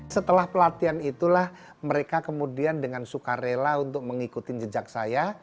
setelah pelatihan itulah mereka kemudian dengan suka rela untuk mengikuti jejak saya